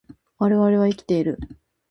我々は生きている